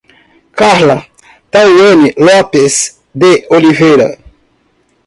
Carla Tawany Lopes de Oliveira